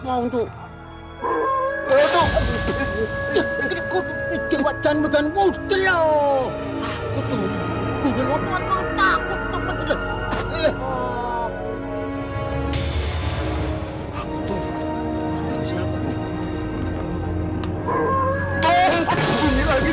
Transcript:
aku mau tahu